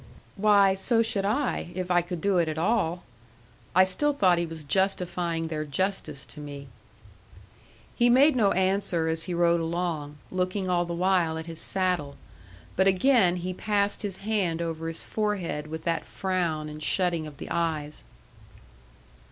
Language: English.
"Why, so should I if I could do it at all." I still thought he was justifying their justice to me. He made no answer as he rode along, looking all the while at his saddle. But again he passed his hand over his forehead with that frown and shutting of the eyes.